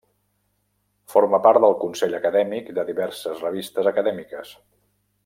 Forma part del consell acadèmic de diverses revistes acadèmiques.